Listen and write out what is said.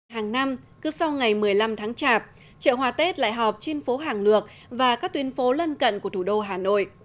hàng năm cứ sau ngày một mươi năm tháng chạp chợ hoa tết lại họp trên phố hàng lược và các tuyến phố lân cận của thủ đô hà nội